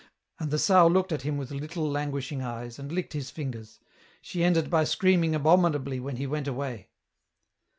And the sow looked at him with little languishing eyes, and licked his fingers ; she ended by screaming abominably when he went away.